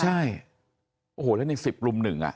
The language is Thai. ใช่โอ้โหแล้วในสิบรุมหนึ่งอ่ะ